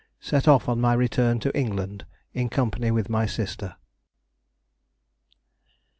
Set off on my return to England in company with my sister."